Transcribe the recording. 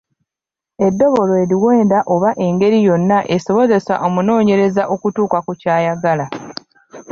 Eddobo lwe luwenda oba engeri yonna esobozesa omunoonyereza okutuuka ku ky’ayagala.